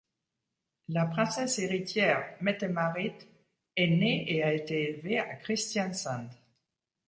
La princesse héritière Mette-Marit est née et a été élevée à Kristiansand.